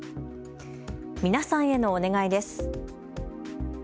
皆さんへのお願いです。